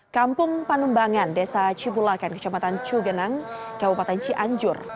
kampung panumbangan desa cibulakan kecamatan cugenang kabupaten cianjur